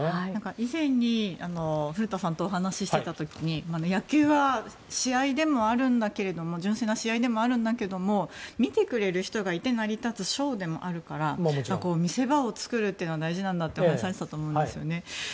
以前に古田さんとお話ししていた時に野球は純粋な試合でもあるんだけれども見てくれる人がいて成り立つショーでもあるから見せ場を作るというのは大事だとおっしゃられていたと思うんですよね。